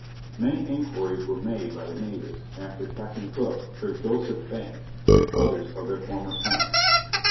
Many inquiries were made by the natives after Captain Cook, Sir Joseph Banks, and others of their former friends.